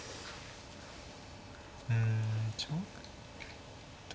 うんちょっと勝ち。